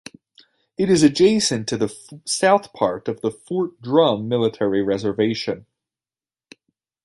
It is adjacent to the south part of the Fort Drum military reservation.